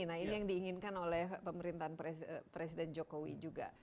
nah ini yang diinginkan oleh pemerintahan presiden jokowi juga